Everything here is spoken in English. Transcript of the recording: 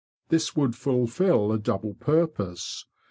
This would fulfil a double purpose.